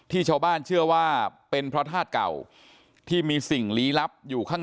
ชาวบ้านเชื่อว่าเป็นพระธาตุเก่าที่มีสิ่งลี้ลับอยู่ข้าง